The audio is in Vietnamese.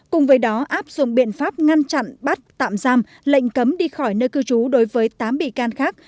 cùng với đó áp dụng biện pháp ngăn chặn bắt tạm giam lệnh cấm đi khỏi nơi cư trú đối với tám bị can khác